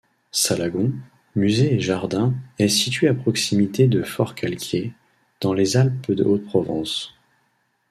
Salagon, musée et jardins est situé à proximité de Forcalquier, dans les Alpes-de-Haute-Provence.